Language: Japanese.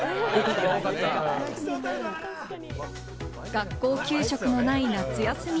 学校給食のない夏休み。